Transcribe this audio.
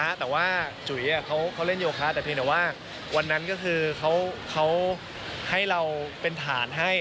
แต่ว่าจุ๋ยเขาเล่นโยคะแต่เพียงแต่ว่าวันนั้นก็คือเขาให้เราเป็นฐานให้